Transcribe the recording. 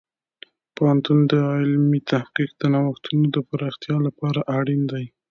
پوهنتون د علمي تحقیق د نوښتونو د پراختیا لپاره اړین دی.